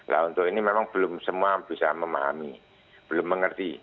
nah untuk ini memang belum semua bisa memahami belum mengerti